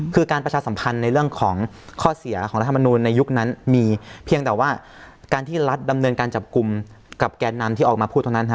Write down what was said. คือการประชาสัมพันธ์ในเรื่องของข้อเสียของรัฐมนูลในยุคนั้นมีเพียงแต่ว่าการที่รัฐดำเนินการจับกลุ่มกับแกนนำที่ออกมาพูดเท่านั้น